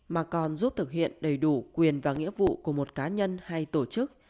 mà còn giúp thực hiện đầy đủ quyền và nghĩa vụ của một cá nhân hay tổ chức